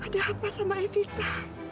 ada apa sama evita